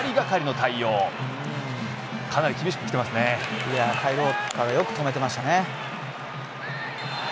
背後からよく止めてましたね。